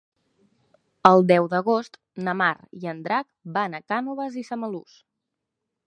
El deu d'agost na Mar i en Drac van a Cànoves i Samalús.